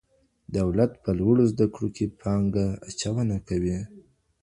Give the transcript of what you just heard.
دولت په لوړو زده کړو کي پانګه اچونه کوي.